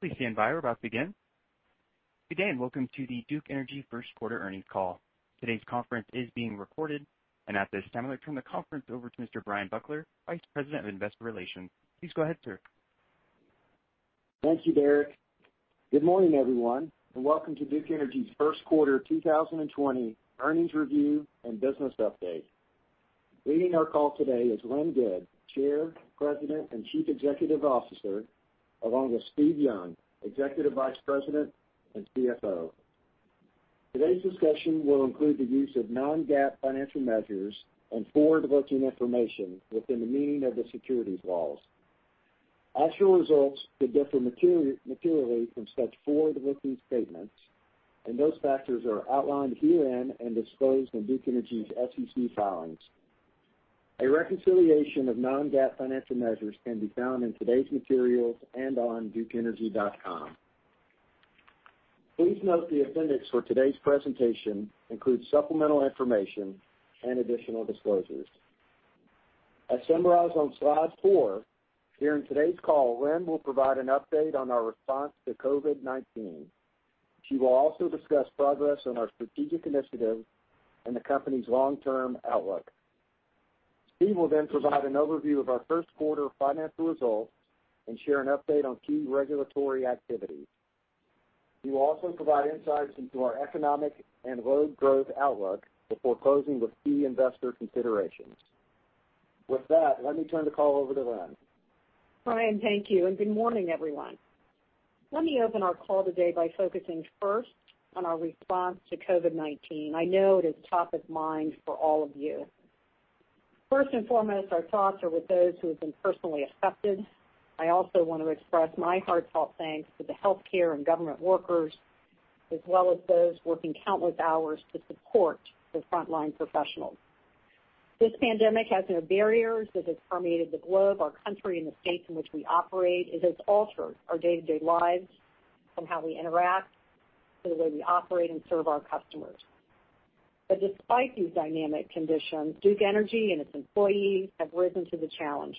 Please stand by. We're about to begin. Good day, and welcome to the Duke Energy first quarter earnings call. Today's conference is being recorded, and at this time, I'll turn the conference over to Mr. Bryan Buckler, Vice President of Investor Relations. Please go ahead, sir. Thank you, Derrick. Good morning, everyone, and welcome to Duke Energy's first quarter 2020 earnings review and business update. Leading our call today is Lynn Good, Chair, President and Chief Executive Officer, along with Steve Young, Executive Vice President and CFO. Today's discussion will include the use of non-GAAP financial measures and forward-looking information within the meaning of the securities laws. Actual results could differ materially from such forward-looking statements. Those factors are outlined herein and disclosed in Duke Energy's SEC filings. A reconciliation of non-GAAP financial measures can be found in today's materials and on duke-energy.com. Please note the appendix for today's presentation includes supplemental information and additional disclosures. As summarized on slide four, during today's call, Lynn will provide an update on our response to COVID-19. She will also discuss progress on our strategic initiatives and the company's long-term outlook. Steve will provide an overview of our first quarter financial results and share an update on key regulatory activities. He will also provide insights into our economic and load growth outlook before closing with key investor considerations. With that, let me turn the call over to Lynn. Bryan, thank you, and good morning, everyone. Let me open our call today by focusing first on our response to COVID-19. I know it is top of mind for all of you. First and foremost, our thoughts are with those who have been personally affected. I also want to express my heartfelt thanks to the healthcare and government workers, as well as those working countless hours to support the frontline professionals. This pandemic has no barriers, as it's permeated the globe, our country, and the states in which we operate. It has altered our day-to-day lives from how we interact to the way we operate and serve our customers. Despite these dynamic conditions, Duke Energy and its employees have risen to the challenge,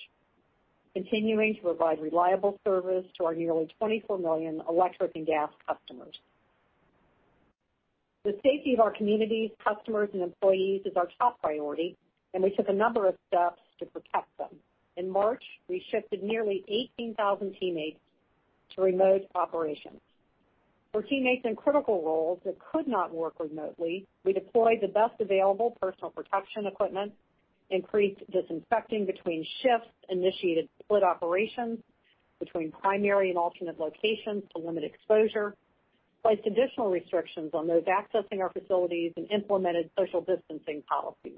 continuing to provide reliable service to our nearly 24 million electric and gas customers. The safety of our communities, customers, and employees is our top priority, and we took a number of steps to protect them. In March, we shifted nearly 18,000 teammates to remote operations. For teammates in critical roles that could not work remotely, we deployed the best available personal protection equipment, increased disinfecting between shifts, initiated split operations between primary and alternate locations to limit exposure, placed additional restrictions on those accessing our facilities, and implemented social distancing policies.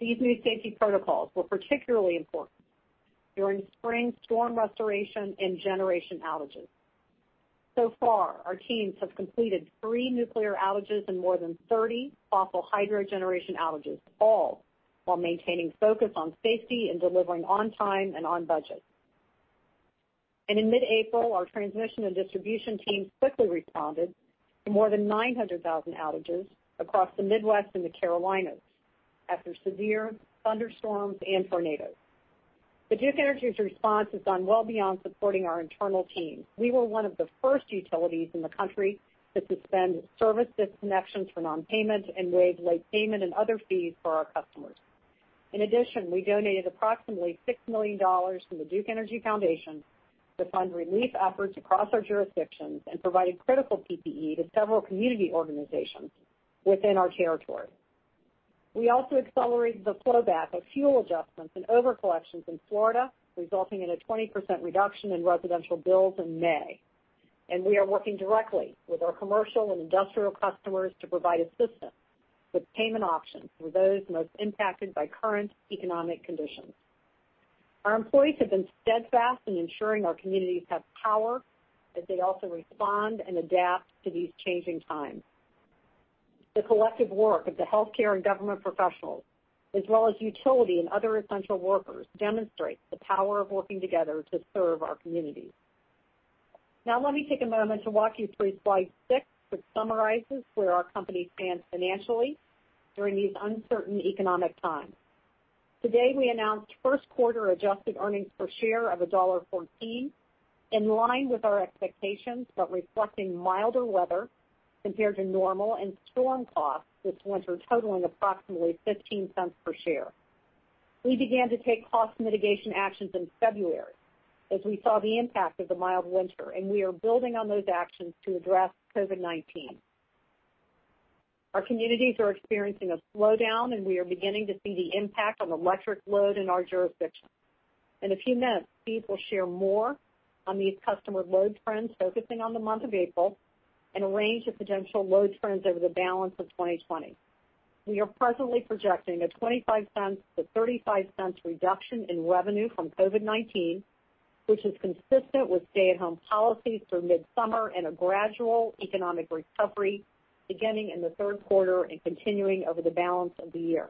These new safety protocols were particularly important during spring storm restoration and generation outages. far, our teams have completed three nuclear outages and more than 30 fossil hydro generation outages, all while maintaining focus on safety and delivering on time and on budget. In mid-April, our transmission and distribution teams quickly responded to more than 900,000 outages across the Midwest and the Carolinas after severe thunderstorms and tornadoes. Duke Energy's response has gone well beyond supporting our internal teams. We were one of the first utilities in the country to suspend service disconnections for non-payment and waive late payment and other fees for our customers. In addition, we donated approximately $6 million from the Duke Energy Foundation to fund relief efforts across our jurisdictions and provided critical PPE to several community organizations within our territory. We also accelerated the flow back of fuel adjustments and overcollections in Florida, resulting in a 20% reduction in residential bills in May. We are working directly with our commercial and industrial customers to provide assistance with payment options for those most impacted by current economic conditions. Our employees have been steadfast in ensuring our communities have power as they also respond and adapt to these changing times. The collective work of the healthcare and government professionals, as well as utility and other essential workers, demonstrates the power of working together to serve our communities. Let me take a moment to walk you through slide six, which summarizes where our company stands financially during these uncertain economic times. Today, we announced first quarter-adjusted earnings per share of $1.14, in line with our expectations, reflecting milder weather compared to normal and storm costs this winter totaling approximately $0.15 per share. We began to take cost mitigation actions in February as we saw the impact of the mild winter, we are building on those actions to address COVID-19. Our communities are experiencing a slowdown, and we are beginning to see the impact on electric load in our jurisdictions. In a few minutes, Steve will share more on these customer load trends, focusing on the month of April and a range of potential load trends over the balance of 2020. We are presently projecting a $0.25-$0.35 reduction in revenue from COVID-19, which is consistent with stay-at-home policies through mid-summer and a gradual economic recovery beginning in the third quarter and continuing over the balance of the year.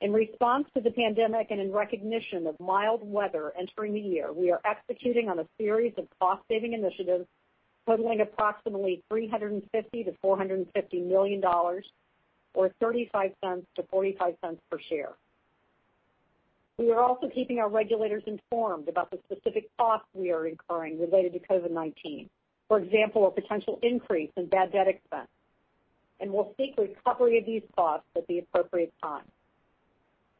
In response to the pandemic and in recognition of mild weather entering the year, we are executing on a series of cost-saving initiatives totaling approximately $350 million-$450 million Or $0.35-$0.45 per share. We are also keeping our regulators informed about the specific costs we are incurring related to COVID-19. For example, a potential increase in bad debt expense. We'll seek recovery of these costs at the appropriate time.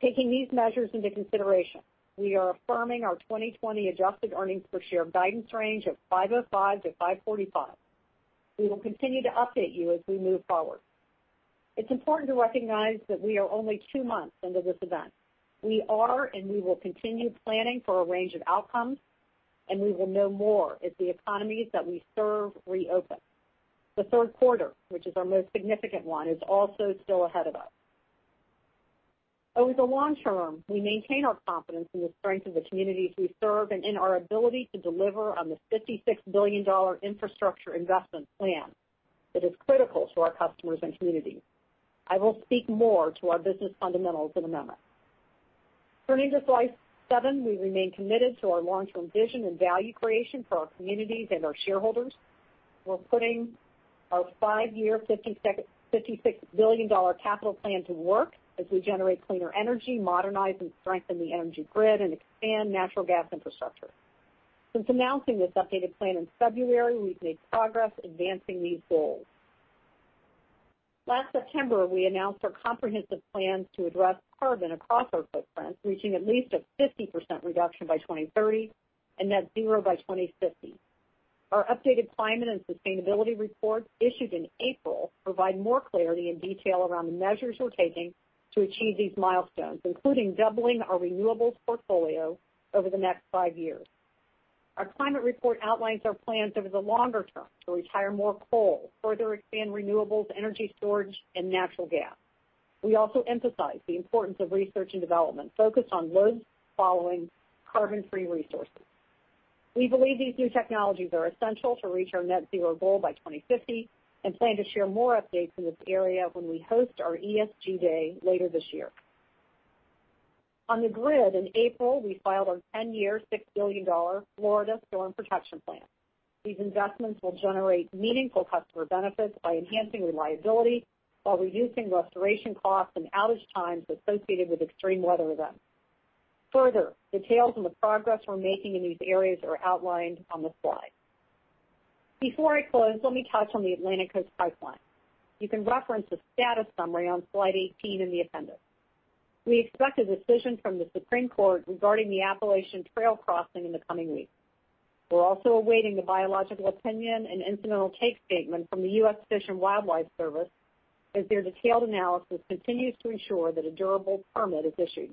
Taking these measures into consideration, we are affirming our 2020 adjusted earnings per share guidance range of $5.05-$5.45. We will continue to update you as we move forward. It's important to recognize that we are only two months into this event. We are, and we will continue planning for a range of outcomes, and we will know more as the economies that we serve reopen. The third quarter, which is our most significant one, is also still ahead of us. Over the long term, we maintain our confidence in the strength of the communities we serve and in our ability to deliver on the $56 billion infrastructure investment plan that is critical to our customers and communities. I will speak more to our business fundamentals in a moment. Turning to slide seven. We remain committed to our long-term vision and value creation for our communities and our shareholders. We're putting our five-year, $56 billion capital plan to work as we generate cleaner energy, modernize and strengthen the energy grid, and expand natural gas infrastructure. Since announcing this updated plan in February, we've made progress advancing these goals. Last September, we announced our comprehensive plans to address carbon across our footprint, reaching at least a 50% reduction by 2030 and net zero by 2050. Our updated climate and sustainability report, issued in April, provide more clarity and detail around the measures we're taking to achieve these milestones, including doubling our renewables portfolio over the next five years. Our climate report outlines our plans over the longer term to retire more coal, further expand renewables, energy storage, and natural gas. We also emphasize the importance of research and development focused on load following carbon-free resources. We believe these new technologies are essential to reach our net zero goal by 2050 and plan to share more updates in this area when we host our ESG day later this year. On the grid in April, we filed our 10-year, $6 billion Florida Storm Protection Plan. These investments will generate meaningful customer benefits by enhancing reliability while reducing restoration costs and outage times associated with extreme weather events. Further details on the progress we're making in these areas are outlined on the slide. Before I close, let me touch on the Atlantic Coast Pipeline. You can reference a status summary on slide 18 in the appendix. We expect a decision from the Supreme Court regarding the Appalachian Trail crossing in the coming weeks. We're also awaiting the biological opinion and incidental take statement from the U.S. Fish and Wildlife Service, as their detailed analysis continues to ensure that a durable permit is issued.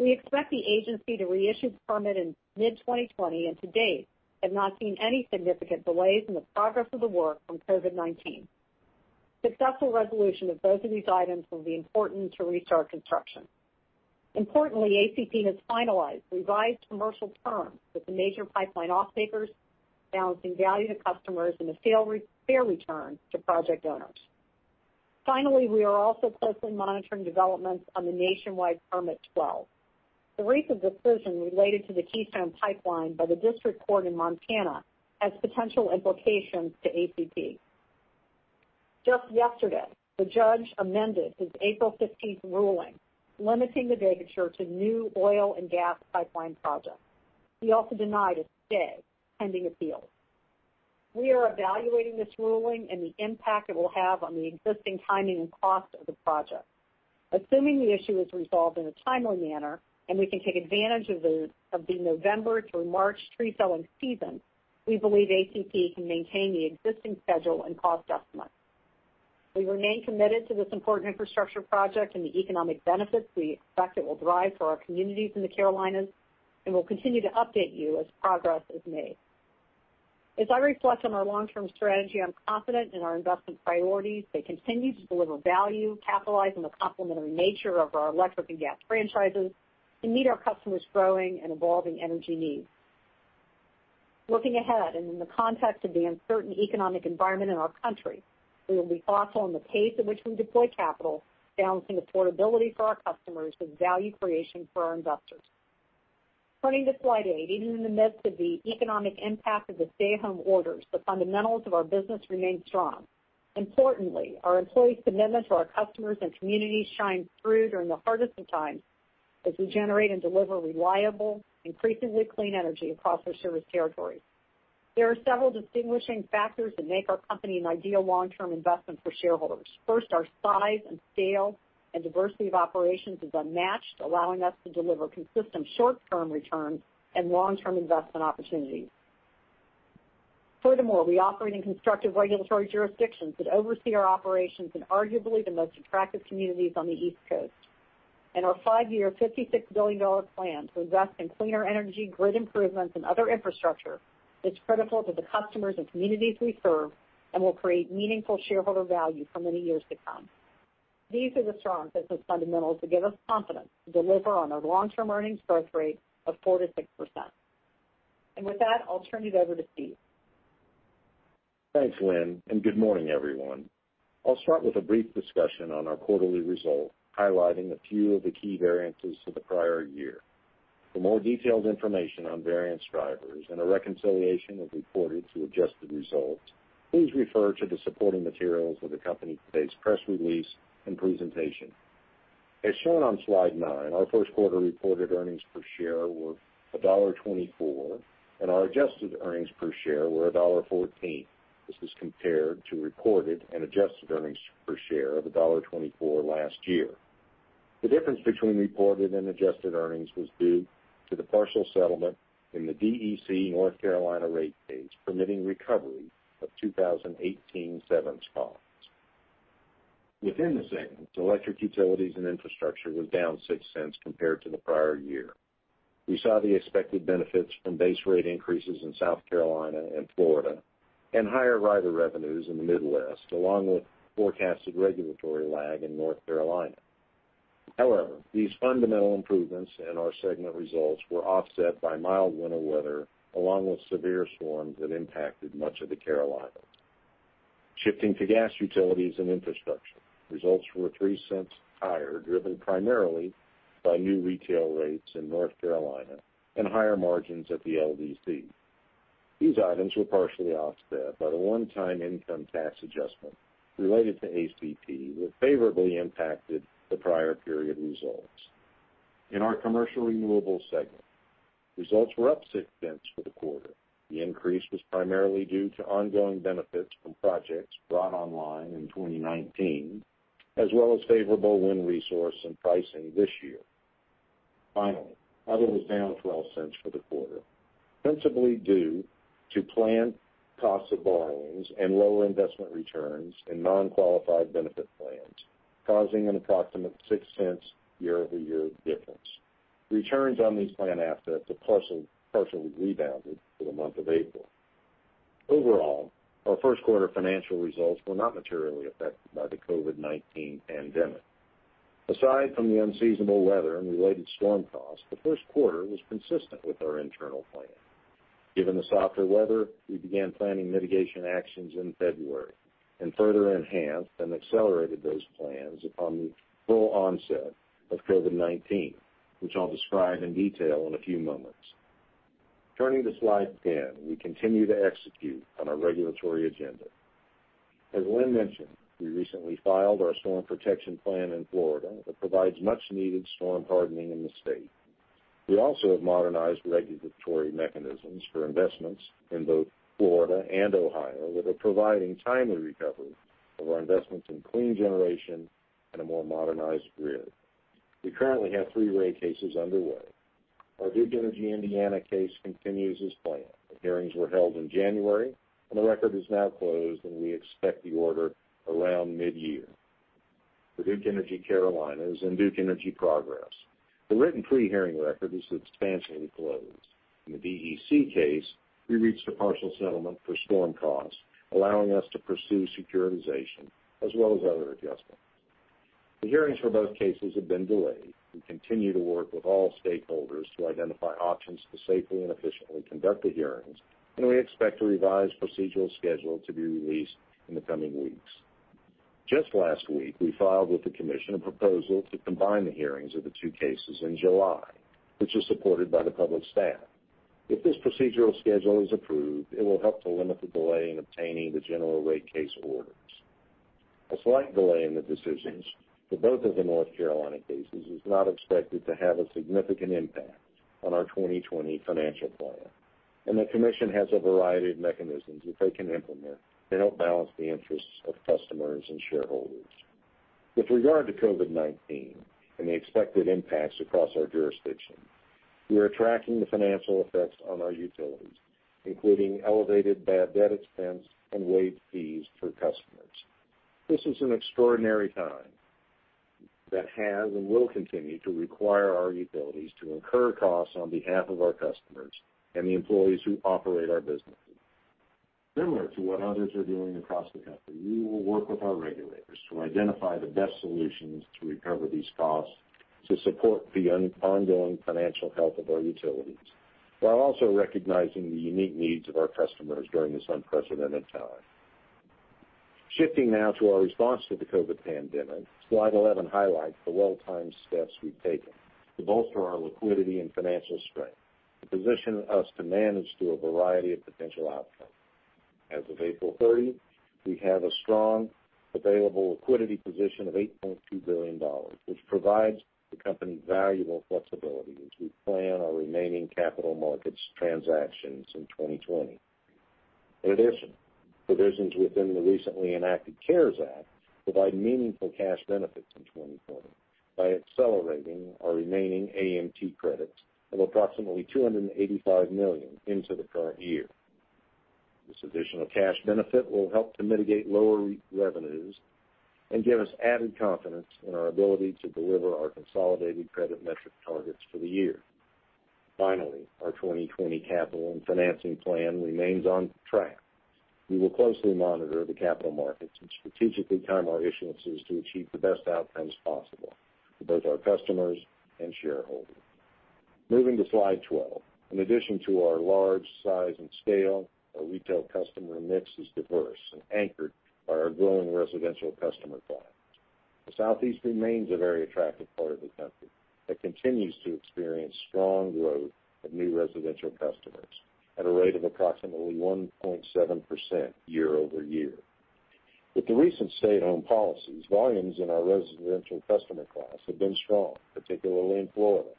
We expect the agency to reissue the permit in mid-2020 and to date have not seen any significant delays in the progress of the work from COVID-19. Successful resolution of both of these items will be important to restart construction. Importantly, ACP has finalized revised commercial terms with the major pipeline off-takers, balancing value to customers and a fair return to project owners. Finally, we are also closely monitoring developments on the Nationwide Permit 12. The recent decision related to the Keystone Pipeline by the district court in Montana has potential implications to ACP. Just yesterday, the judge amended his April 15th ruling, limiting the vacatur to new oil and gas pipeline projects. He also denied a stay pending appeals. We are evaluating this ruling and the impact it will have on the existing timing and cost of the project. Assuming the issue is resolved in a timely manner and we can take advantage of the November through March tree felling season, we believe ACP can maintain the existing schedule and cost estimates. We remain committed to this important infrastructure project and the economic benefits we expect it will drive for our communities in the Carolinas, and we'll continue to update you as progress is made. As I reflect on our long-term strategy, I'm confident in our investment priorities. They continue to deliver value, capitalize on the complementary nature of our electric and gas franchises, and meet our customers' growing and evolving energy needs. Looking ahead and in the context of the uncertain economic environment in our country, we will be thoughtful in the pace at which we deploy capital, balancing affordability for our customers with value creation for our investors. Turning to slide eight. Even in the midst of the economic impact of the stay-at-home orders, the fundamentals of our business remain strong. Importantly, our employees' commitment to our customers and communities shine through during the hardest of times as we generate and deliver reliable, increasingly clean energy across our service territories. There are several distinguishing factors that make our company an ideal long-term investment for shareholders. First, our size and scale and diversity of operations is unmatched, allowing us to deliver consistent short-term returns and long-term investment opportunities. Furthermore, we operate in constructive regulatory jurisdictions that oversee our operations in arguably the most attractive communities on the East Coast. Our five-year, $56 billion plan to invest in cleaner energy, grid improvements, and other infrastructure is critical to the customers and communities we serve and will create meaningful shareholder value for many years to come. These are the strong business fundamentals that give us confidence to deliver on our long-term earnings growth rate of 4%-6%. With that, I'll turn it over to Steve. Thanks, Lynn, and Good morning, everyone. I'll start with a brief discussion on our quarterly results, highlighting a few of the key variances to the prior year. For more detailed information on variance drivers and a reconciliation of reported to adjusted results, please refer to the supporting materials for the company's today's press release and presentation. As shown on slide nine, our first quarter reported earnings per share were $1.24, and our adjusted earnings per share were $1.14. This is compared to reported and adjusted earnings per share of $1.24 last year. The difference between reported and adjusted earnings was due to the partial settlement in the DEC North Carolina rate case, permitting recovery of 2018 storm costs. Within the segment, electric utilities and infrastructure were down $0.06 compared to the prior year. We saw the expected benefits from base rate increases in South Carolina and Florida and higher rider revenues in the Midwest, along with forecasted regulatory lag in North Carolina. These fundamental improvements in our segment results were offset by mild winter weather, along with severe storms that impacted much of the Carolinas. Shifting to gas utilities and infrastructure. Results were $0.03 higher, driven primarily by new retail rates in North Carolina and higher margins at the LDC. These items were partially offset by the one-time income tax adjustment related to ACP, which favorably impacted the prior period results. In our commercial renewables segment, results were up $0.06 for the quarter. The increase was primarily due to ongoing benefits from projects brought online in 2019, as well as favorable wind resource and pricing this year. Finally, other was down $0.12 for the quarter, principally due to planned costs of borrowings and lower investment returns in non-qualified benefit plans, causing an approximate $0.06 year-over-year difference. Returns on these plan assets have partially rebounded for the month of April. Overall, our first quarter financial results were not materially affected by the COVID-19 pandemic. Aside from the unseasonable weather and related storm costs, the first quarter was consistent with our internal plan. Given the softer weather, we began planning mitigation actions in February and further enhanced and accelerated those plans upon the full onset of COVID-19, which I'll describe in detail in a few moments. Turning to slide 10. We continue to execute on our regulatory agenda. As Lynn mentioned, we recently filed our storm protection plan in Florida that provides much-needed storm hardening in the state. We also have modernized regulatory mechanisms for investments in both Florida and Ohio that are providing timely recovery of our investments in clean generation and a more modernized grid. We currently have three rate cases underway. Our Duke Energy Indiana case continues as planned. The hearings were held in January, and the record is now closed, and we expect the order around mid-year. For Duke Energy Carolinas and Duke Energy Progress, the written pre-hearing record is substantially closed. In the DEC case, we reached a partial settlement for storm costs, allowing us to pursue securitization as well as other adjustments. The hearings for both cases have been delayed. We continue to work with all stakeholders to identify options to safely and efficiently conduct the hearings, and we expect a revised procedural schedule to be released in the coming weeks. Just last week, we filed with the commission a proposal to combine the hearings of the two cases in July, which is supported by the public staff. If this procedural schedule is approved, it will help to limit the delay in obtaining the general rate case orders. A slight delay in the decisions for both of the North Carolina cases is not expected to have a significant impact on our 2020 financial plan, and the commission has a variety of mechanisms that they can implement to help balance the interests of customers and shareholders. With regard to COVID-19 and the expected impacts across our jurisdiction, we are tracking the financial effects on our utilities, including elevated bad debt expense and late fees for customers. This is an extraordinary time that has and will continue to require our utilities to incur costs on behalf of our customers and the employees who operate our businesses. Similar to what others are doing across the country, we will work with our regulators to identify the best solutions to recover these costs to support the ongoing financial health of our utilities, while also recognizing the unique needs of our customers during this unprecedented time. Shifting now to our response to the COVID pandemic. Slide 11 highlights the well-timed steps we've taken to bolster our liquidity and financial strength to position us to manage through a variety of potential outcomes. As of April 30, we have a strong available liquidity position of $8.2 billion, which provides the company valuable flexibility as we plan our remaining capital markets transactions in 2020. provisions within the recently enacted CARES Act provide meaningful cash benefits in 2020 by accelerating our remaining AMT credits of approximately $285 million into the current year. This additional cash benefit will help to mitigate lower revenues and give us added confidence in our ability to deliver our consolidated credit metric targets for the year. Finally, our 2020 capital and financing plan remains on track. We will closely monitor the capital markets and strategically time our issuances to achieve the best outcomes possible for both our customers and shareholders. Moving to slide 12. our large size and scale, our retail customer mix is diverse and anchored by our growing residential customer base. The Southeast remains a very attractive part of the country that continues to experience strong growth of new residential customers at a rate of approximately 1.7% year-over-year. With the recent stay-at-home policies, volumes in our residential customer class have been strong, particularly in Florida,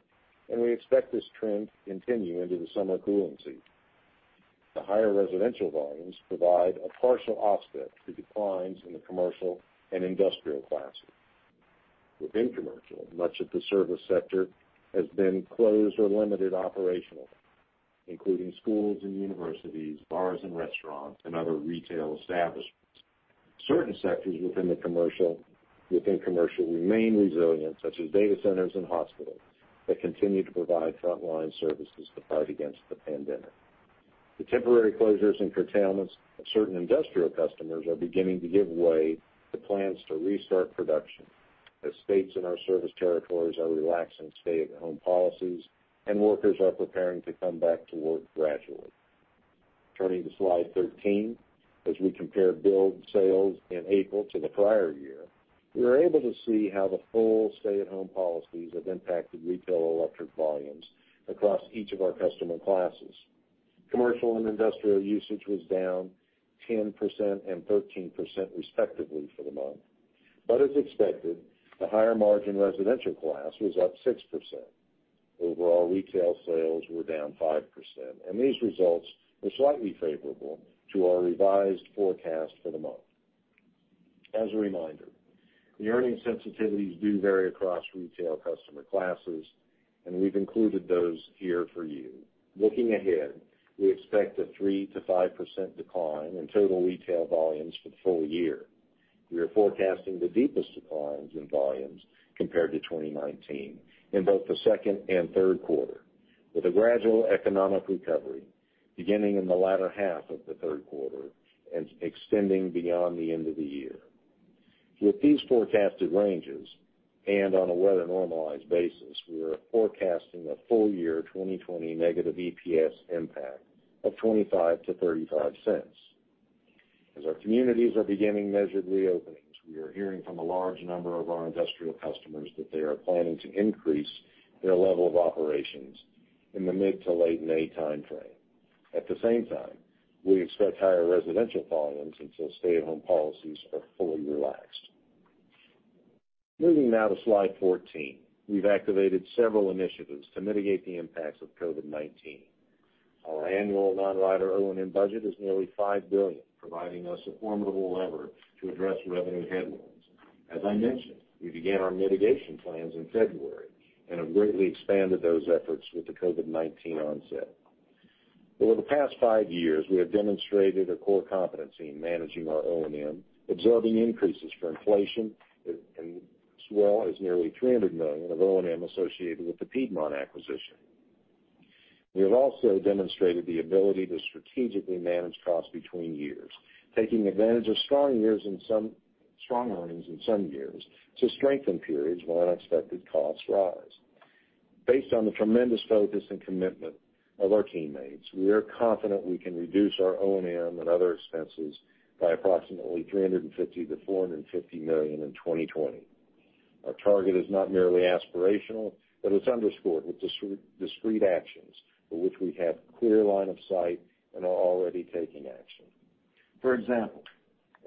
and we expect this trend to continue into the summer cooling season. The higher residential volumes provide a partial offset to declines in the commercial and industrial classes. Within commercial, much of the service sector has been closed or limited operational, including schools and universities, bars and restaurants, and other retail establishments. Certain sectors within commercial remain resilient, such as data centers and hospitals that continue to provide frontline services to fight against the pandemic. The temporary closures and curtailments of certain industrial customers are beginning to give way to plans to restart production as states in our service territories are relaxing stay-at-home policies and workers are preparing to come back to work gradually. Turning to slide 13. As we compare billed sales in April to the prior year, we are able to see how the full stay-at-home policies have impacted retail electric volumes across each of our customer classes. Commercial and industrial usage was down 10% and 13% respectively for the month. As expected, the higher margin residential class was up 6%. Overall, retail sales were down 5%, and these results were slightly favorable to our revised forecast for the month. As a reminder, the earnings sensitivities do vary across retail customer classes, and we've included those here for you. Looking ahead, we expect a 3%-5% decline in total retail volumes for the full year. We are forecasting the deepest declines in volumes compared to 2019 in both the second and third quarter, with a gradual economic recovery beginning in the latter half of the third quarter and extending beyond the end of the year. With these forecasted ranges, and on a weather-normalized basis, we are forecasting a full-year 2020 negative EPS impact of $0.25-$0.35. As our communities are beginning measured reopenings, we are hearing from a large number of our industrial customers that they are planning to increase their level of operations in the mid to late May timeframe. At the same time, we expect higher residential volumes until stay-at-home policies are fully relaxed. Moving now to slide 14. We've activated several initiatives to mitigate the impacts of COVID-19. Our annual non-rider O&M budget is nearly $5 billion, providing us a formidable lever to address revenue headwinds. As I mentioned, we began our mitigation plans in February and have greatly expanded those efforts with the COVID-19 onset. Over the past five years, we have demonstrated a core competency in managing our O&M, absorbing increases for inflation, as well as nearly $300 million of O&M associated with the Piedmont acquisition. We have also demonstrated the ability to strategically manage costs between years, taking advantage of strong earnings in some years to strengthen periods when unexpected costs rise. Based on the tremendous focus and commitment of our teammates, we are confident we can reduce our O&M and other expenses by approximately $350 million-$450 million in 2020. Our target is not merely aspirational, but it's underscored with discrete actions for which we have clear line of sight and are already taking action. For example,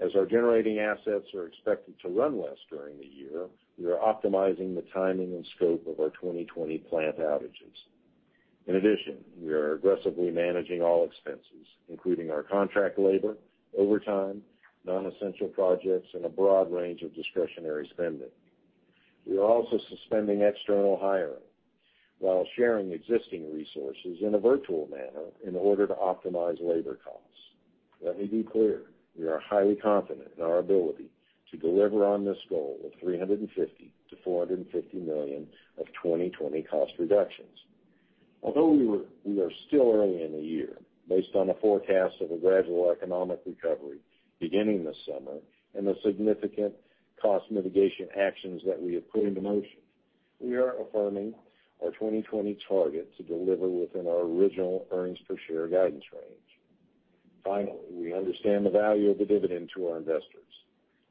as our generating assets are expected to run less during the year, we are optimizing the timing and scope of our 2020 plant outages. In addition, we are aggressively managing all expenses, including our contract labor, overtime, non-essential projects, and a broad range of discretionary spending. We are also suspending external hiring while sharing existing resources in a virtual manner in order to optimize labor costs. Let me be clear, we are highly confident in our ability to deliver on this goal of $350 million-$450 million of 2020 cost reductions. Although we are still early in the year, based on the forecast of a gradual economic recovery beginning this summer and the significant cost mitigation actions that we have put into motion, we are affirming our 2020 target to deliver within our original earnings per share guidance range. Finally, we understand the value of the dividend to our investors.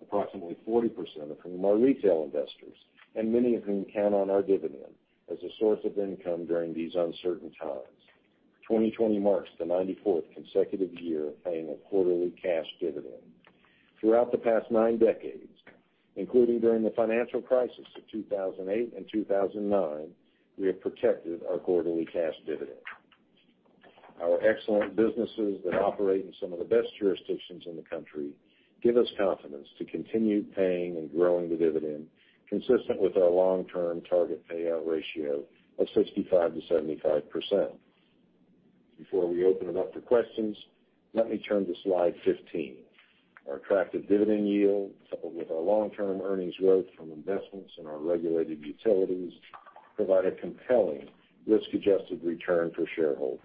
Approximately 40% of whom are retail investors, and many of whom count on our dividend as a source of income during these uncertain times. 2020 marks the 94th consecutive year of paying a quarterly cash dividend. Throughout the past nine decades, including during the financial crisis of 2008 and 2009, we have protected our quarterly cash dividend. Our excellent businesses that operate in some of the best jurisdictions in the country give us confidence to continue paying and growing the dividend consistent with our long-term target payout ratio of 65%-75%. Before we open it up for questions, let me turn to slide 15. Our attractive dividend yield, coupled with our long-term earnings growth from investments in our regulated utilities, provide a compelling risk-adjusted return for shareholders.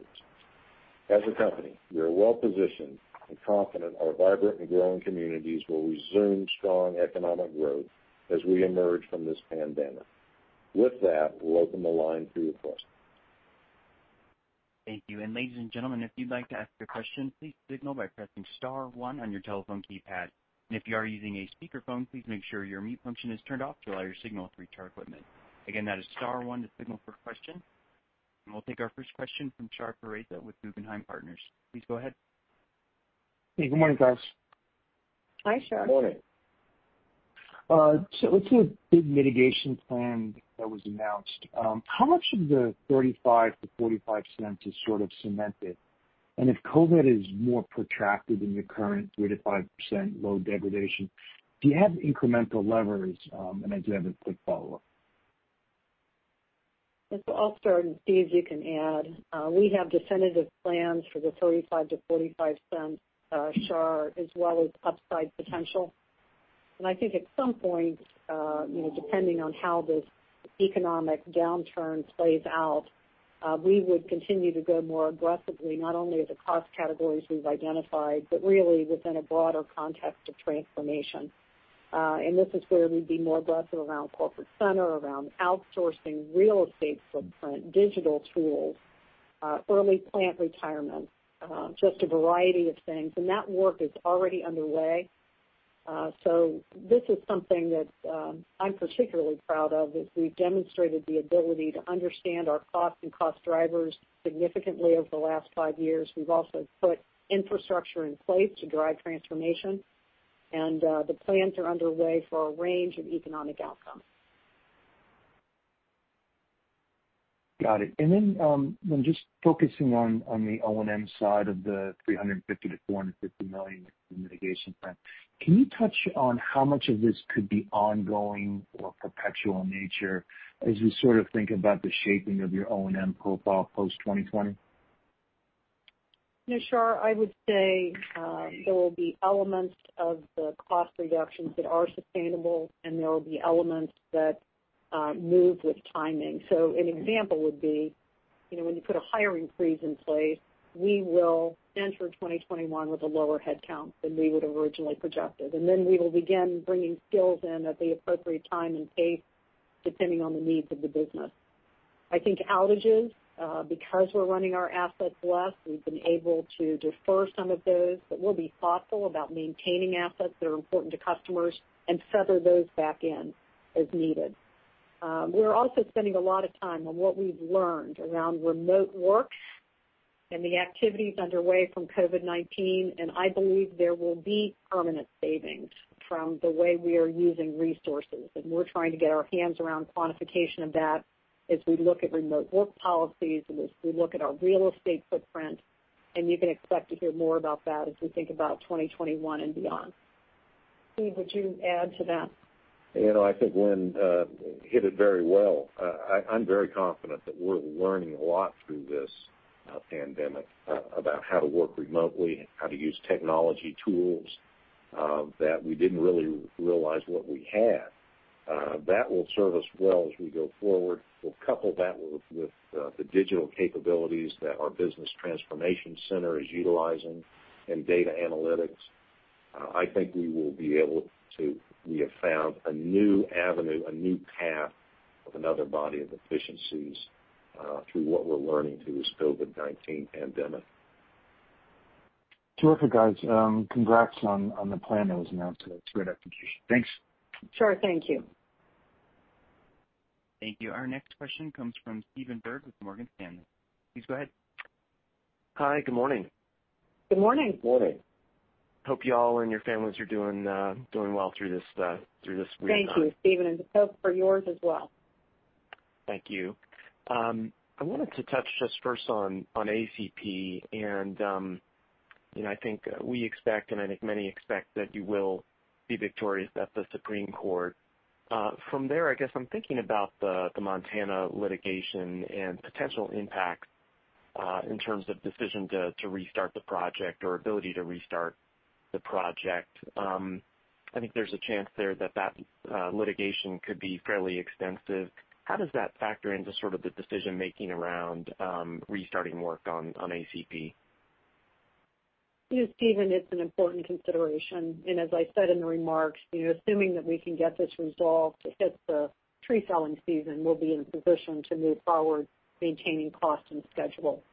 As a company, we are well positioned and confident our vibrant and growing communities will resume strong economic growth as we emerge from this pandemic. With that, we'll open the line for your questions. Thank you. Ladies and gentlemen, if you'd like to ask a question, please signal by pressing star one on your telephone keypad. If you are using a speakerphone, please make sure your mute function is turned off to allow your signal to reach our equipment. Again, that is star one to signal for question. We'll take our first question from Shar Pourreza with Guggenheim Partners. Please go ahead. Hey, good morning, guys. Hi, Shar. Morning. Let's say the mitigation plan that was announced, how much of the $0.35-$0.45 is sort of cemented? If COVID is more protracted than your current three to five% load degradation, do you have incremental levers? I do have a quick follow-up. I'll start, and Steve, you can add. We have definitive plans for the $0.35-$0.45, Shar, as well as upside potential. I think at some point, depending on how this economic downturn plays out, we would continue to go more aggressively, not only at the cost categories we've identified, but really within a broader context of transformation. This is where we'd be more aggressive around corporate center, around outsourcing real estate footprint, digital tools, early plant retirement, just a variety of things. That work is already underway. This is something that I'm particularly proud of, is we've demonstrated the ability to understand our cost and cost drivers significantly over the last five years. We've also put infrastructure in place to drive transformation. The plans are underway for a range of economic outcomes. Got it. just focusing on the O&M side of the $350 million-$450 million in the mitigation plan, can you touch on how much of this could be ongoing or perpetual in nature as you sort of think about the shaping of your O&M profile post 2020? Yeah, Shar, I would say there will be elements of the cost reductions that are sustainable and there will be elements that move with timing. An example would be, when you put a hiring freeze in place, we will enter 2021 with a lower headcount than we would originally projected. We will begin bringing skills in at the appropriate time and pace, depending on the needs of the business. I think outages, because we're running our assets less, we've been able to defer some of those, but we'll be thoughtful about maintaining assets that are important to customers and feather those back in as needed. We're also spending a lot of time on what we've learned around remote works and the activities underway from COVID-19, and I believe there will be permanent savings from the way we are using resources. We're trying to get our hands around quantification of that as we look at remote work policies and as we look at our real estate footprint, and you can expect to hear more about that as we think about 2021 and beyond. Steve, would you add to that? I think Lynn hit it very well. I'm very confident that we're learning a lot through this pandemic about how to work remotely, how to use technology tools that we didn't really realize what we had. That will serve us well as we go forward. We'll couple that with the digital capabilities that our business transformation center is utilizing and data analytics. I think we have found a new avenue, a new path of another body of efficiencies through what we're learning through this COVID-19 pandemic. Terrific, guys. Congrats on the plan that was announced today. It's a great execution. Thanks. Shar, thank you. Thank you. Our next question comes from Stephen Byrd with Morgan Stanley. Please go ahead. Hi, good morning. Good morning. Morning. Hope you all and your families are doing well through this weird time. Thank you, Stephen, and the same for yours as well. Thank you. I wanted to touch just first on ACP and I think we expect, and I think many expect that you will be victorious at the Supreme Court. From there, I guess I'm thinking about the Montana litigation and potential impacts in terms of decision to restart the project or ability to restart the project. I think there's a chance there that litigation could be fairly extensive. How does that factor into sort of the decision-making around restarting work on ACP? You know, Stephen, it's an important consideration. As I said in the remarks, assuming that we can get this resolved if it's the tree-felling season, we'll be in a position to move forward maintaining cost and schedule.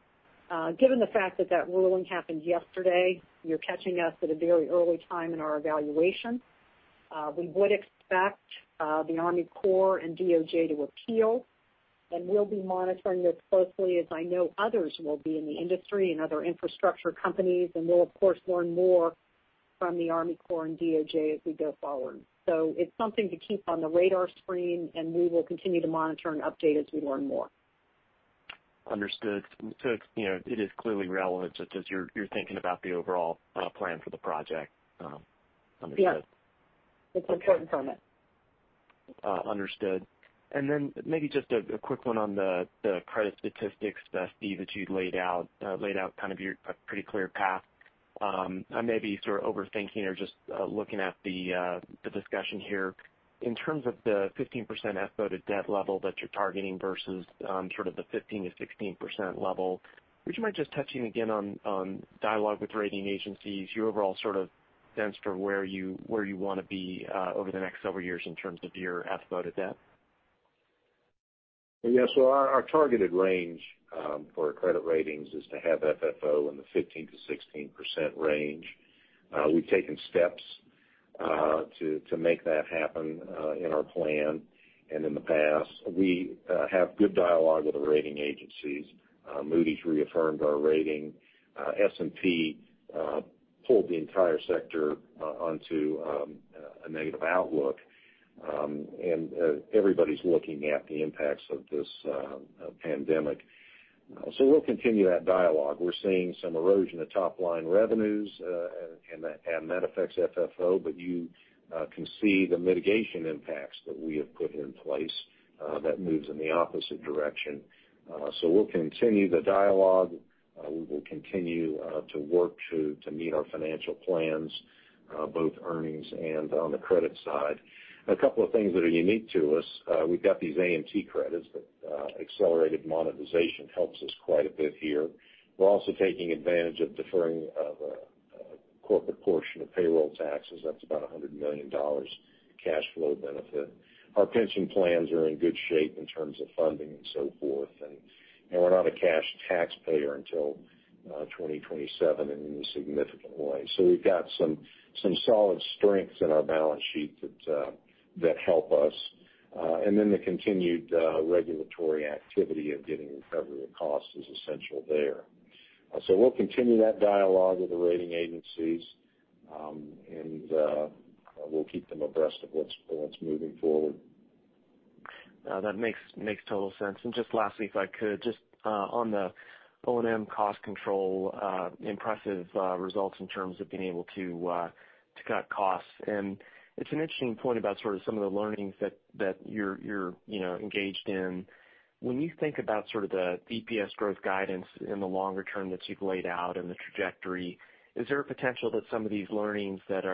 Given the fact that that ruling happened yesterday, you're catching us at a very early time in our evaluation. We would expect the Army Corps and DOJ to appeal, and we'll be monitoring this closely as I know others will be in the industry and other infrastructure companies, and we'll of course learn more from the Army Corps and DOJ as we go forward. It's something to keep on the radar screen, and we will continue to monitor and update as we learn more. Understood. it is clearly relevant as you're thinking about the overall plan for the project. Understood. Yes. It's important to us. Understood. Maybe just a quick one on the credit statistics, Steve, that you'd laid out kind of your pretty clear path. I may be sort of overthinking or just looking at the discussion here. In terms of the 15% FFO to debt level that you're targeting versus sort of the 15%-16% level, would you mind just touching again on dialogue with rating agencies, your overall sort of sense for where you want to be over the next several years in terms of your FFO to debt? Yes. Our targeted range, for our credit ratings, is to have FFO in the 15%-16% range. We've taken steps to make that happen in our plan and in the past. We have good dialogue with the rating agencies. Moody's reaffirmed our rating. S&P pulled the entire sector onto a negative outlook. Everybody's looking at the impacts of this pandemic. We'll continue that dialogue. We're seeing some erosion of top-line revenues, and that affects FFO, but you can see the mitigation impacts that we have put in place that moves in the opposite direction. We'll continue the dialogue. We will continue to work to meet our financial plans, both earnings and on the credit side. A couple of things that are unique to us, we've got these AMT credits, that accelerated monetization helps us quite a bit here. We're also taking advantage of deferring of a corporate portion of payroll taxes. That's about $100 million cash flow benefit. Our pension plans are in good shape in terms of funding and so forth. We're not a cash taxpayer until 2027 in any significant way. We've got some solid strengths in our balance sheet that help us. The continued regulatory activity of getting recovery of cost is essential there. We'll continue that dialogue with the rating agencies, and we'll keep them abreast of what's moving forward. That makes total sense. Just lastly, if I could, just on the O&M cost control, impressive results in terms of being able to cut costs. It's an interesting point about sort of some of the learnings that you're engaged in. When you think about sort of the EPS growth guidance in the longer term that you've laid out and the trajectory, is there a potential that some of these learnings that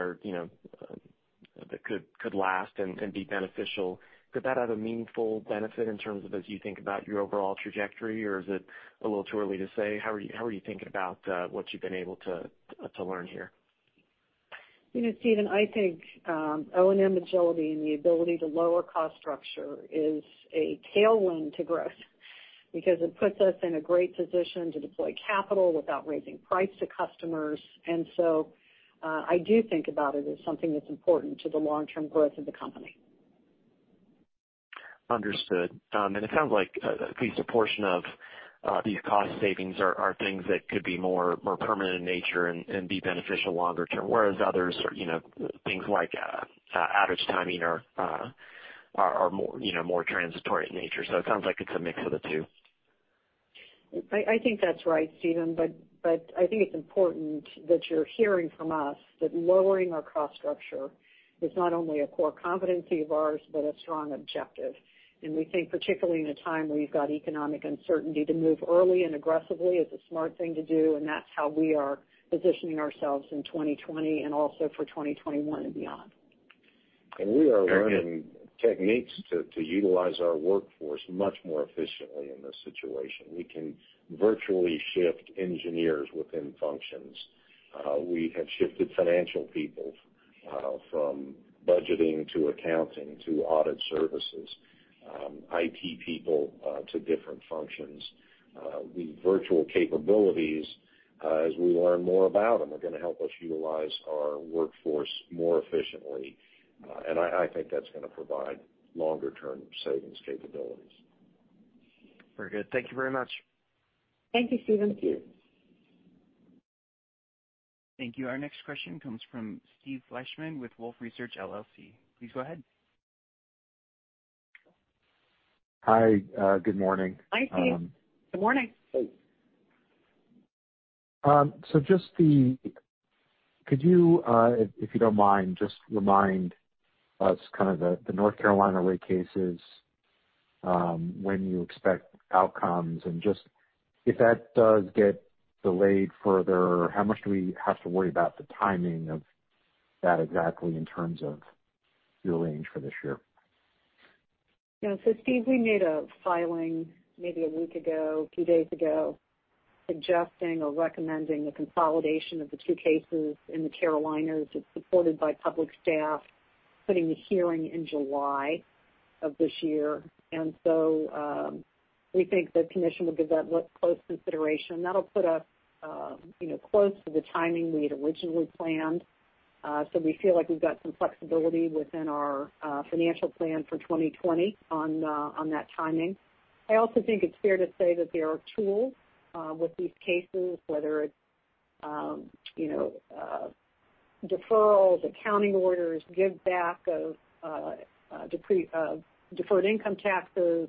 could last and can be beneficial, could that have a meaningful benefit in terms of as you think about your overall trajectory, or is it a little too early to say? How are you thinking about what you've been able to learn here? Stephen, I think O&M agility and the ability to lower cost structure is a tailwind to growth because it puts us in a great position to deploy capital without raising price to customers. I do think about it as something that's important to the long-term growth of the company. Understood. It sounds like at least a portion of these cost savings are things that could be more permanent in nature and be beneficial longer term, whereas others are things like outage timing are more transitory in nature. It sounds like it's a mix of the two. I think that's right, Stephen, but I think it's important that you're hearing from us that lowering our cost structure is not only a core competency of ours, but a strong objective. We think particularly in a time where you've got economic uncertainty, to move early and aggressively is a smart thing to do, and that's how we are positioning ourselves in 2020 and also for 2021 and beyond. We are learning techniques to utilize our workforce much more efficiently in this situation. We can virtually shift engineers within functions. We have shifted financial people from budgeting to accounting to audit services. IT people to different functions. The virtual capabilities, as we learn more about them, are going to help us utilize our workforce more efficiently. I think that's going to provide longer-term savings capabilities. Very good. Thank you very much. Thank you, Stephen. Thank you. Thank you. Our next question comes from Steve Fleishman with Wolfe Research, LLC. Please go ahead. Hi, good morning. Hi, Steve. Good morning. Could you, if you don't mind, just remind us kind of the North Carolina rate cases, when you expect outcomes and just if that does get delayed further, how much do we have to worry about the timing of that exactly in terms of your range for this year? Steve, we made a filing maybe a week ago, a few days ago, suggesting or recommending a consolidation of the two cases in the Carolinas. It's supported by Public Staff, putting the hearing in July of this year. We think the commission will give that close consideration. That'll put us close to the timing we had originally planned. We feel like we've got some flexibility within our financial plan for 2020 on that timing. I also think it's fair to say that there are tools with these cases, whether it's deferrals, accounting orders, give back of deferred income taxes,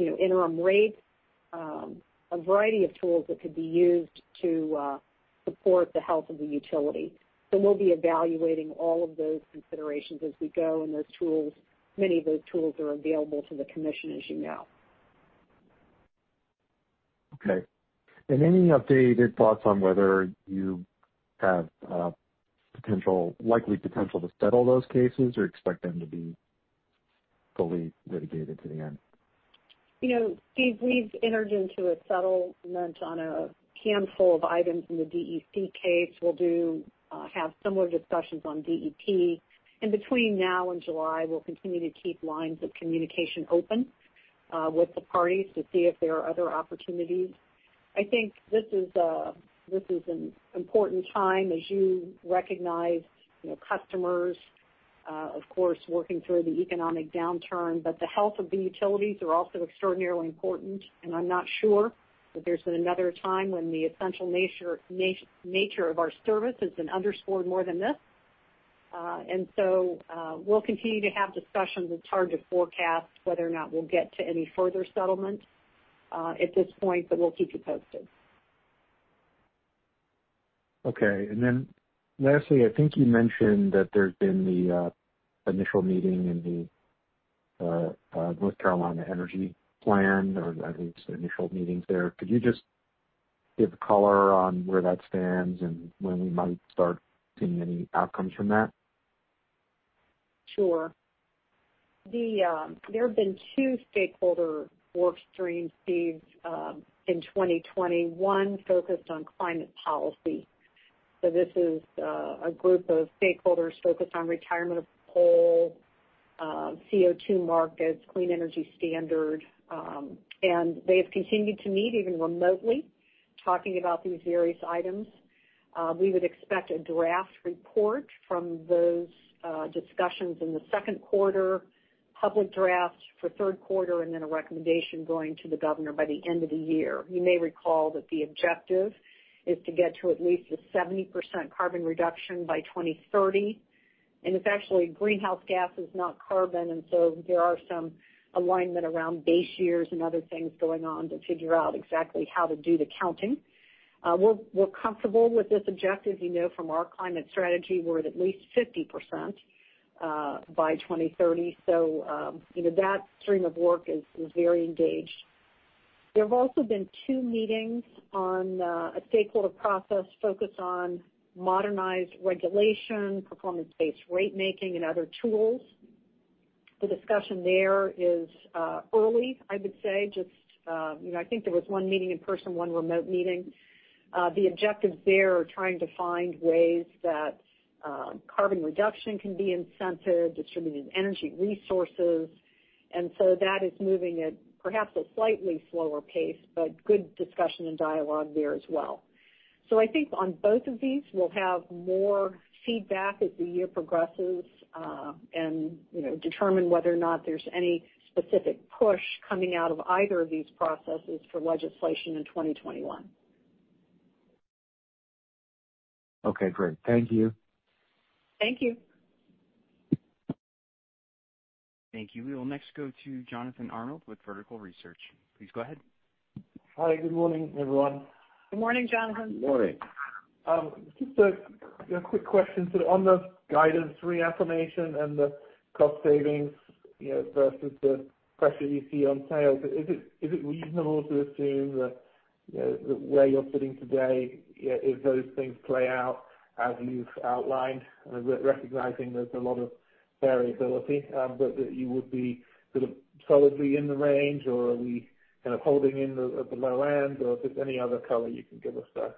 interim rates, a variety of tools that could be used to support the health of the utility. We'll be evaluating all of those considerations as we go and those tools. Many of those tools are available to the commission, as you know. Okay. Any updated thoughts on whether you have likely potential to settle those cases or expect them to be fully litigated to the end? Steve, we've entered into a settlement on a handful of items in the DEC case. We'll have similar discussions on DEP. Between now and July, we'll continue to keep lines of communication open with the parties to see if there are other opportunities. I think this is an important time, as you recognize, customers, of course, working through the economic downturn. The health of the utilities are also extraordinarily important. I'm not sure that there's been another time when the essential nature of our service has been underscored more than this. We'll continue to have discussions with regard to forecasts whether or not we'll get to any further settlement at this point, but we'll keep you posted. Okay. Lastly, I think you mentioned that there's been the initial meeting in the North Carolina energy plan, or at least initial meetings there. Could you just give color on where that stands and when we might start seeing any outcomes from that? Sure. There have been two stakeholder workstreams, Steve, in 2020. One focused on climate policy. This is a group of stakeholders focused on retirement of coal, CO2 markets, clean energy standard. They have continued to meet even remotely talking about these various items. We would expect a draft report from those discussions in the second quarter, public drafts for third quarter, and then a recommendation going to the governor by the end of the year. You may recall that the objective is to get to at least a 70% carbon reduction by 2030, and it's actually greenhouse gases, not carbon. There are some alignment around base years and other things going on to figure out exactly how to do the counting. We're comfortable with this objective. You know from our climate strategy we're at least 50% by 2030. That stream of work is very engaged. There have also been two meetings on a stakeholder process focused on modernized regulation, performance-based rate making, and other tools. The discussion there is early, I would say. I think there was one meeting in person, one remote meeting. The objectives there are trying to find ways that carbon reduction can be incented, distributed energy resources. That is moving at perhaps a slightly slower pace, but good discussion and dialogue there as well. I think on both of these, we'll have more feedback as the year progresses, and determine whether or not there's any specific push coming out of either of these processes for legislation in 2021. Okay, great. Thank you. Thank you. Thank you. We will next go to Jonathan Arnold with Vertical Research. Please go ahead. Hi, good morning, everyone. Good morning, Jonathan. Good morning. Just a quick question. On the guidance reaffirmation and the cost savings versus the pressure you see on sales, is it reasonable to assume that where you're sitting today, if those things play out as you've outlined, recognizing there's a lot of variability, but that you would be sort of solidly in the range or are we kind of holding in at the low end? If there's any other color you can give us there.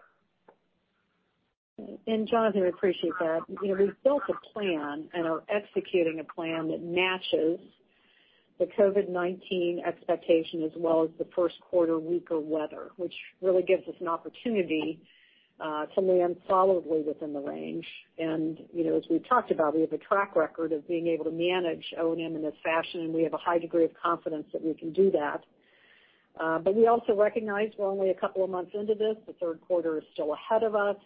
Jonathan, appreciate that. We've built a plan and are executing a plan that matches the COVID-19 expectation as well as the first quarter weaker weather, which really gives us an opportunity to land solidly within the range. As we've talked about, we have a track record of being able to manage O&M in this fashion, and we have a high degree of confidence that we can do that. We also recognize we're only a couple of months into this. The third quarter is still ahead of us.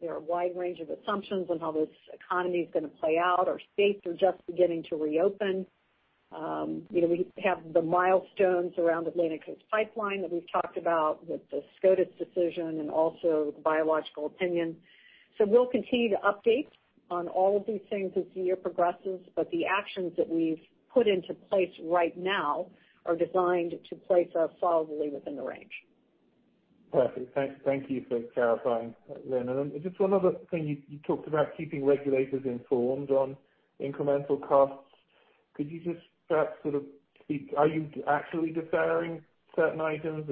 There are a wide range of assumptions on how this economy is going to play out. Our states are just beginning to reopen. We have the milestones around Atlantic Coast Pipeline that we've talked about with the SCOTUS decision and also the biological opinion. we'll continue to update on all of these things as the year progresses, but the actions that we've put into place right now are designed to place us solidly within the range. Perfect. Thank you for clarifying, Lynn. Just one other thing. You talked about keeping regulators informed on incremental costs. Could you just perhaps sort of speak, are you actually deferring certain items?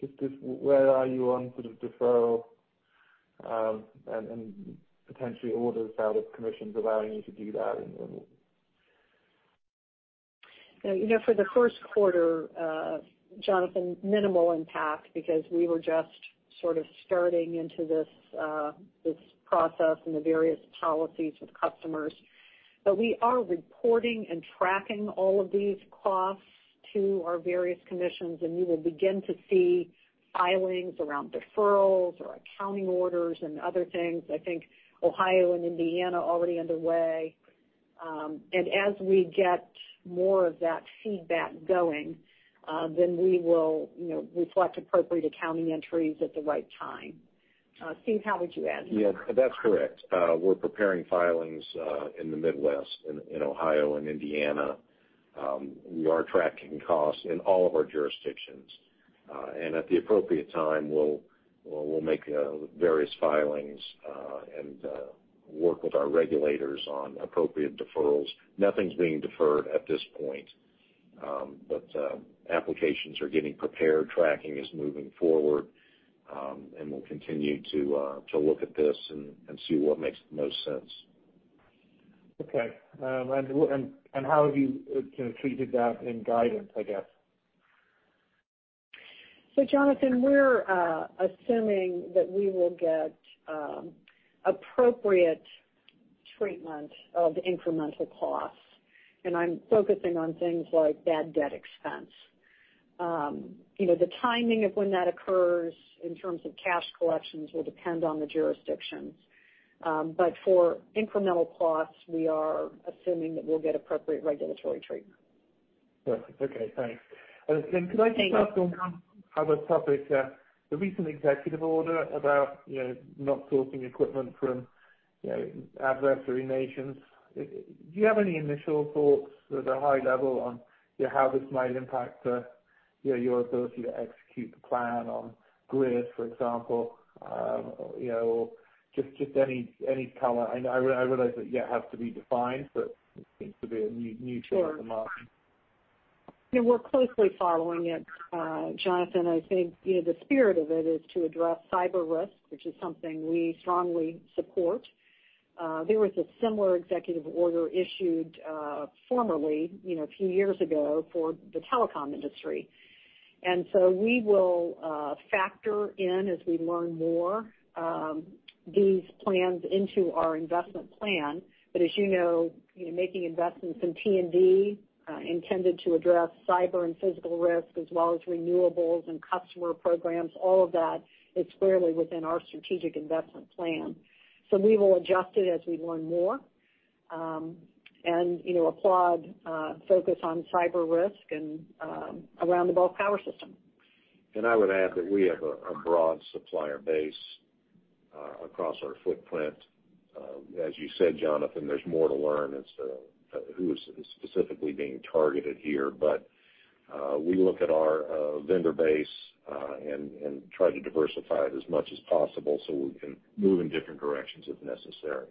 Just where are you on sort of deferral, and potentially orders out of commissions allowing you to do that and- For the first quarter, Jonathan, minimal impact because we were just sort of starting into this process and the various policies with customers. We are reporting and tracking all of these costs to our various commissions, and you will begin to see filings around deferrals or accounting orders and other things. I think Ohio and Indiana are already underway. As we get more of that feedback going, then we will reflect appropriate accounting entries at the right time. Steve, how would you add? Yeah, that's correct. We're preparing filings in the Midwest, in Ohio and Indiana. We are tracking costs in all of our jurisdictions. At the appropriate time, we'll make various filings, and work with our regulators on appropriate deferrals. Nothing's being deferred at this point. Applications are getting prepared, tracking is moving forward, and we'll continue to look at this and see what makes the most sense. Okay. How have you treated that in guidance, I guess? Jonathan, we're assuming that we will get appropriate treatment of incremental costs, and I'm focusing on things like bad debt expense. The timing of when that occurs in terms of cash collections will depend on the jurisdictions. But for incremental costs, we are assuming that we'll get appropriate regulatory treatment. Perfect. Okay, thanks. Thanks. Could I just ask on one other topic? The recent executive order about not sourcing equipment from adversary nations. Do you have any initial thoughts at a high level on how this might impact your ability to execute the plan on grid, for example? Just any color? I realize that, yeah, it has to be defined, but it seems to be a new challenge in the market. Sure. We're closely following it, Jonathan. I think the spirit of it is to address cyber risk, which is something we strongly support. There was a similar executive order issued formerly a few years ago for the telecom industry. We will factor in, as we learn more, these plans into our investment plan. As you know, making investments in T&D intended to address cyber and physical risk as well as renewables and customer programs, all of that is squarely within our strategic investment plan. We will adjust it as we learn more, and applaud focus on cyber risk and around the bulk power system. I would add that we have a broad supplier base across our footprint. As you said, Jonathan, there's more to learn as to who is specifically being targeted here. We look at our vendor base, and try to diversify it as much as possible so we can move in different directions if necessary.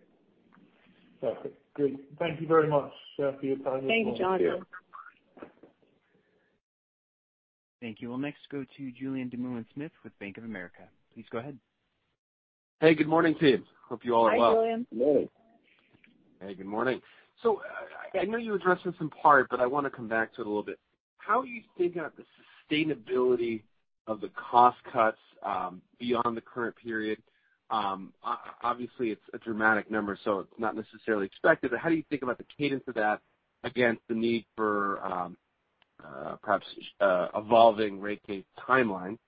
Perfect. Good. Thank you very much for your time this morning. Thank you, Jonathan. Yeah. Thank you. We'll next go to Julien Dumoulin-Smith with Bank of America. Please go ahead. Hey, good morning, team. Hope you all are well. Hi, Julien. Morning. Hey, good morning. I know you addressed this in part, but I want to come back to it a little bit. How are you thinking of the sustainability of the cost cuts beyond the current period? Obviously, it's a dramatic number, so it's not necessarily expected, but how do you think about the cadence of that against the need for perhaps evolving rate case timelines?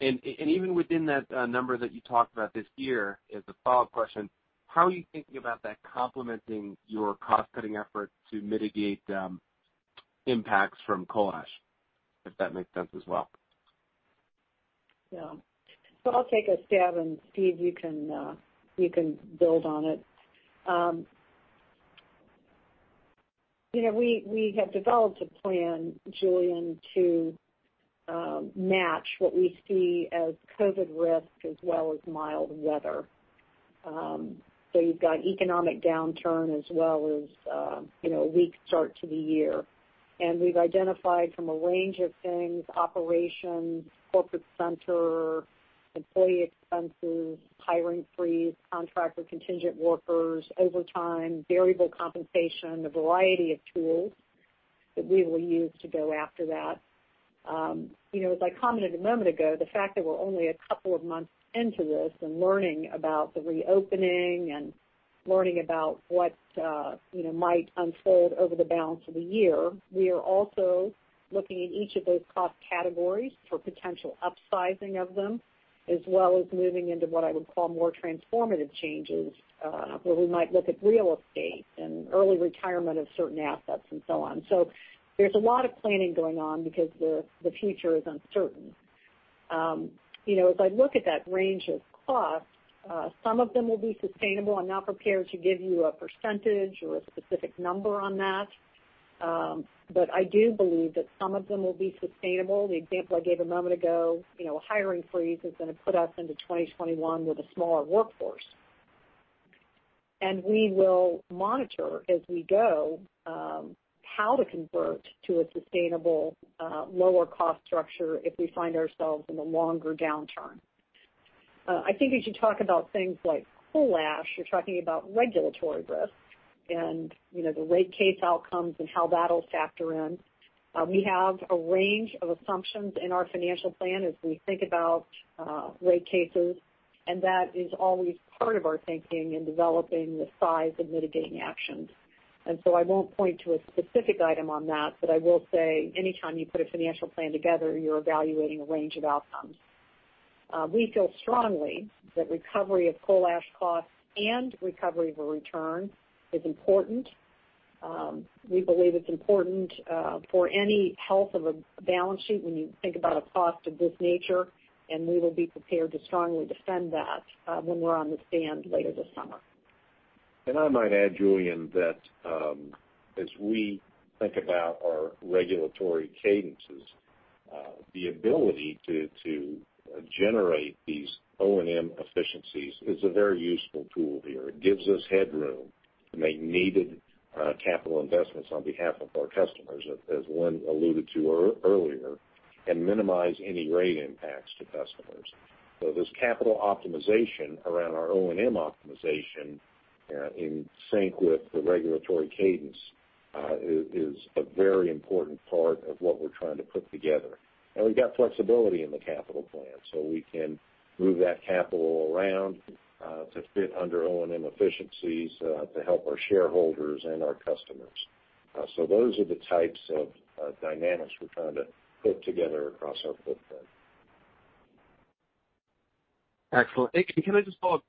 Even within that number that you talked about this year, as a follow-up question, how are you thinking about that complementing your cost-cutting efforts to mitigate impacts from coal ash, if that makes sense as well? Yeah. I'll take a stab, and Steve, you can build on it. We have developed a plan, Julien, to match what we see as COVID risk as well as mild weather. You've got economic downturn as well as a weak start to the year. We've identified from a range of things, operations, corporate center, employee expenses, hiring freeze, contractor contingent workers, overtime, variable compensation, a variety of tools that we will use to go after that. As I commented a moment ago, the fact that we're only a couple of months into this and learning about the reopening and learning about what might unfold over the balance of the year, we are also looking at each of those cost categories for potential upsizing of them, as well as moving into what I would call more transformative changes, where we might look at real estate and early retirement of certain assets and so on. There's a lot of planning going on because the future is uncertain. As I look at that range of costs, some of them will be sustainable. I'm not prepared to give you a percentage or a specific number on that. I do believe that some of them will be sustainable. The example I gave a moment ago, a hiring freeze is going to put us into 2021 with a smaller workforce. We will monitor as we go how to convert to a sustainable lower cost structure if we find ourselves in a longer downturn. I think as you talk about things like coal ash, you're talking about regulatory risks and the rate case outcomes and how that'll factor in. We have a range of assumptions in our financial plan as we think about rate cases, and that is always part of our thinking in developing the size of mitigating actions. I won't point to a specific item on that, but I will say anytime you put a financial plan together, you're evaluating a range of outcomes. We feel strongly that recovery of coal ash costs and recovery of a return is important. We believe it's important for any health of a balance sheet when you think about a cost of this nature, and we will be prepared to strongly defend that when we're on the stand later this summer. I might add, Julien, that as we think about our regulatory cadences, the ability to generate these O&M efficiencies is a very useful tool here. It gives us headroom to make needed capital investments on behalf of our customers, as Lynn alluded to earlier, and minimize any rate impacts to customers. This capital optimization around our O&M optimization in sync with the regulatory cadence is a very important part of what we're trying to put together. We've got flexibility in the capital plan so we can move that capital around to fit under O&M efficiencies to help our shareholders and our customers. Those are the types of dynamics we're trying to put together across our footprint. Excellent. Can I just follow up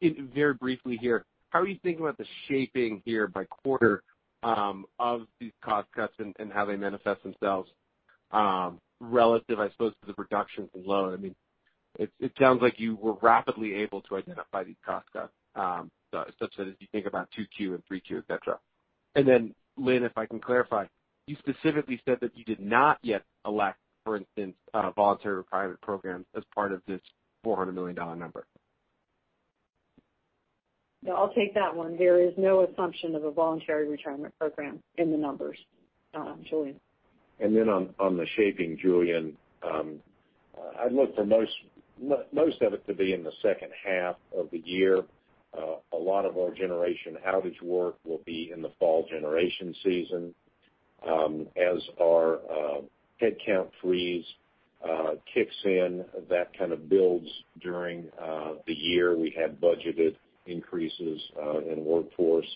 in very briefly here? How are you thinking about the shaping here by quarter of these cost cuts and how they manifest themselves relative, I suppose, to the reductions alone? It sounds like you were rapidly able to identify these cost cuts, such that if you think about two Q and three Q, et cetera. Lynn, if I can clarify, you specifically said that you did not yet elect, for instance, voluntary retirement programs as part of this $400 million number. No, I'll take that one. There is no assumption of a voluntary retirement program in the numbers, Julien. on the shaping, Julien, I'd look for most of it to be in the second half of the year. A lot of our generation outage work will be in the fall generation season. As our headcount freeze kicks in, that kind of builds during the year. We had budgeted increases in workforce.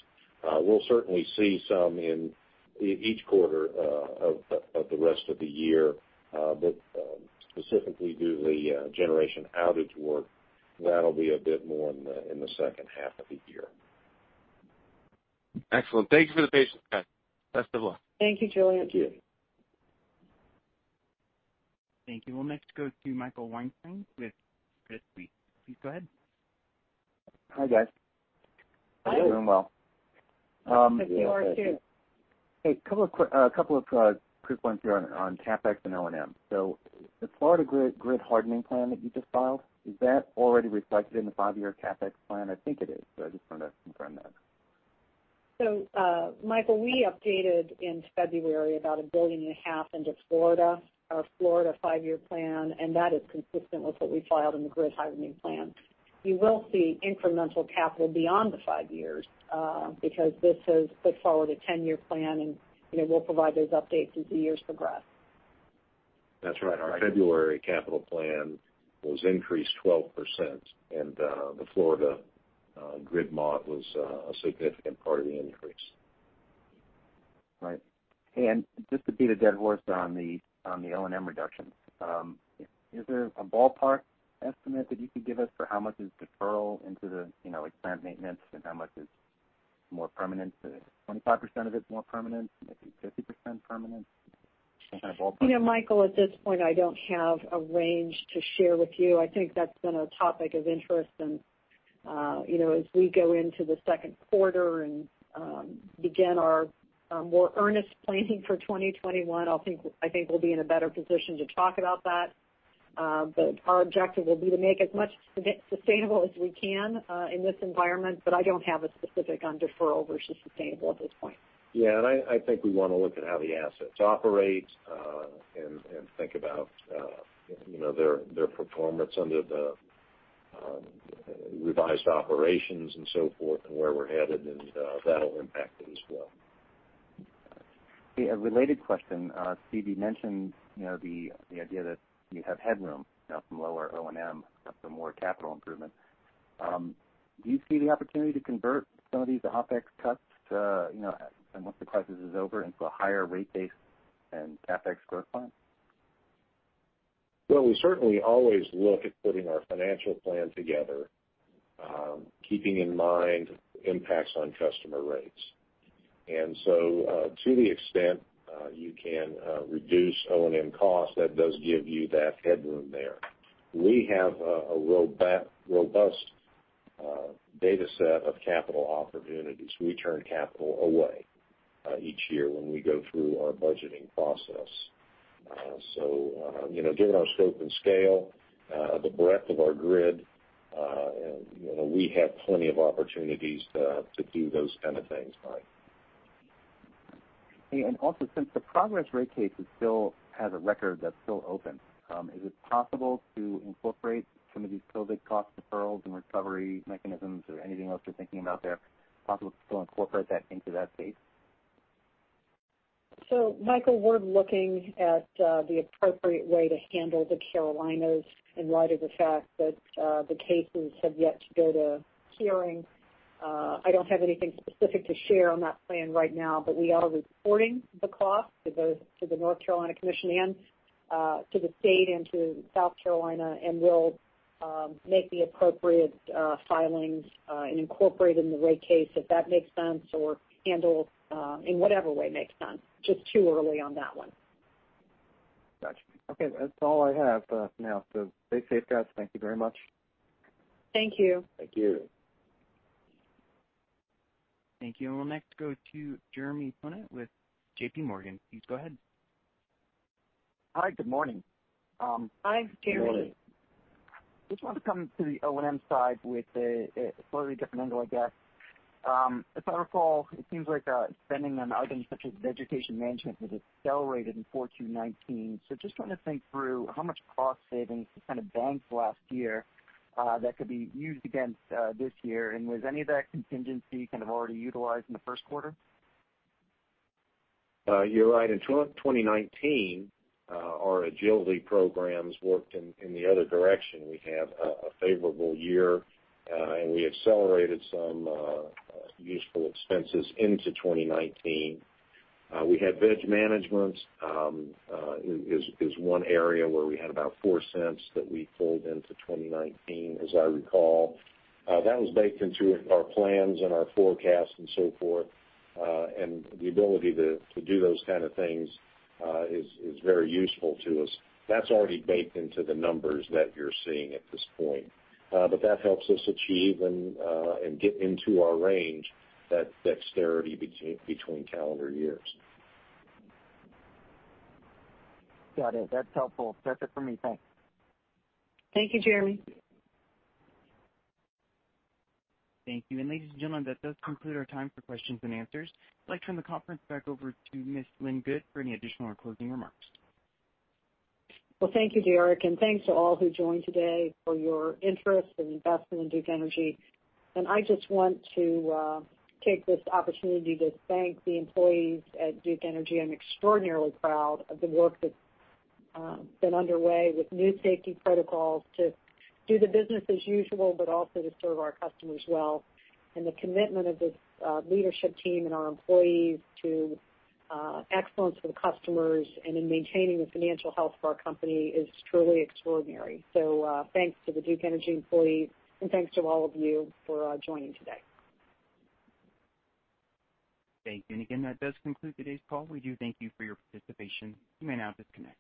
We'll certainly see some in each quarter of the rest of the year. Specifically due to the generation outage work, that'll be a bit more in the second half of the year. Excellent. Thank you for the patience, guys. Best of luck. Thank you, Julien. Thank you. Thank you. We'll next go to Michael Weinstein with Bernstein. Please go ahead. Hi, guys. Hi. Hope you're doing well. hope you are, too. Hey, a couple of quick points here on CapEx and O&M. The Florida grid hardening plan that you just filed, is that already reflected in the five-year CapEx plan? I think it is, but I just wanted to confirm that. Michael, we updated in February about $1.5 billion into Florida, our Florida five-year plan, and that is consistent with what we filed in the grid hardening plan. You will see incremental capital beyond the five years because this has put forward a 10-year plan, and we'll provide those updates as the years progress. That's right. Our February capital plan was increased 12%, and the Florida grid mod was a significant part of the increase. Right. Just to beat a dead horse on the O&M reductions, is there a ballpark estimate that you could give us for how much is deferral into the planned maintenance and how much is more permanent? Is 25% of it more permanent, maybe 50% permanent? Some kind of ballpark. Michael, at this point, I don't have a range to share with you. I think that's been a topic of interest, and as we go into the second quarter and begin our more earnest planning for 2021, I think we'll be in a better position to talk about that. Our objective will be to make as much sustainable as we can in this environment, but I don't have a specific on deferral versus sustainable at this point. Yeah, I think we want to look at how the assets operate and think about their performance under the revised operations and so forth and where we're headed, and that'll impact it as well. Okay, a related question. Steve, you mentioned the idea that you have headroom now from lower O&M for more capital improvements. Do you see the opportunity to convert some of these OpEx cuts and once the crisis is over into a higher rate base and CapEx growth plan? Well, we certainly always look at putting our financial plan together keeping in mind impacts on customer rates. To the extent you can reduce O&M costs, that does give you that headroom there. We have a robust dataset of capital opportunities. We turn capital away each year when we go through our budgeting process. Given our scope and scale, the breadth of our grid, we have plenty of opportunities to do those kind of things, Mike. Also, since the Progress rate case has a record that's still open, is it possible to incorporate some of these COVID cost deferrals and recovery mechanisms or anything else you're thinking about there? Possible to still incorporate that into that space? Michael, we're looking at the appropriate way to handle the Carolinas in light of the fact that the cases have yet to go to hearing. I don't have anything specific to share on that plan right now, but we are reporting the cost to the North Carolina Commission and to the state and to South Carolina, and we'll make the appropriate filings and incorporate in the rate case, if that makes sense, or handle in whatever way makes sense. Just too early on that one. Got you. Okay, that's all I have for now. Stay safe, guys. Thank you very much. Thank you. Thank you. Thank you. We'll next go to Jeremy Tonet with J.P. Morgan. Please go ahead. Hi, good morning. Hi, Jeremy. Just wanted to come to the O&M side with a slightly different angle, I guess. If I recall, it seems like spending on items such as vegetation management was accelerated in 4Q 2019, so just trying to think through how much cost savings was kind of banked last year that could be used against this year, and was any of that contingency kind of already utilized in the first quarter? You're right. In 2019, our agility programs worked in the other direction. We had a favorable year, and we accelerated some useful expenses into 2019. We had vegetation management is one area where we had about four cents that we pulled into 2019, as I recall. That was baked into our plans and our forecast and so forth. The ability to do those kind of things is very useful to us. That's already baked into the numbers that you're seeing at this point. That helps us achieve and get into our range, that dexterity between calendar years. Got it. That's helpful. That's it for me. Thanks. Thank you, Jeremy. Thank you. Ladies and gentlemen, that does conclude our time for questions and answers. I'd like to turn the conference back over to Ms. Lynn Good for any additional or closing remarks. Well, thank you, Derek, and thanks to all who joined today for your interest and investment in Duke Energy. I just want to take this opportunity to thank the employees at Duke Energy. I'm extraordinarily proud of the work that's been underway with new safety protocols to do the business as usual, but also to serve our customers well. The commitment of this leadership team and our employees to excellence for the customers and in maintaining the financial health of our company is truly extraordinary. Thanks to the Duke Energy employees and thanks to all of you for joining today. Thank you. Again, that does conclude today's call. We do thank you for your participation. You may now disconnect.